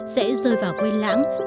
sẽ rơi vào quên lãng